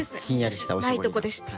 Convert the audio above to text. ないとこでした。